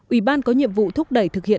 ủy ban có nhiệm vụ thúc đẩy thực hiện